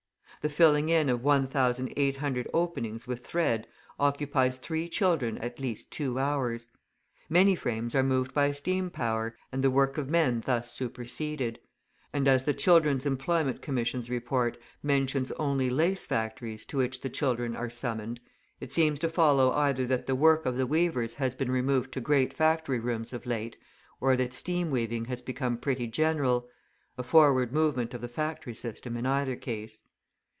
The filling in of 1,800 openings with thread occupies three children at least two hours. Many frames are moved by steam power, and the work of men thus superseded; and, as the Children's Employment Commission's Report mentions only lace factories to which the children are summoned, it seems to follow either that the work of the weavers has been removed to great factory rooms of late, or that steam weaving has become pretty general; a forward movement of the factory system in either case.